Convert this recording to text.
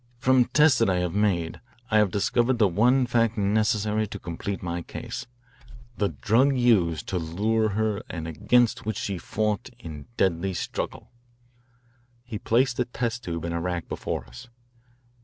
>From tests that I have, made I have discovered the one fact necessary to complete my case, the drug used to lure her and against which she fought in deadly struggle." He placed a test tube in a rack before us.